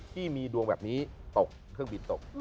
ที่มีดวงแบบนี้ตกเครื่องบินตก